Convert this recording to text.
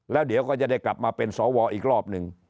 แล้วเดี๋ยวก็จะได้กลับมาเป็นสวอีกรอบหนึ่ง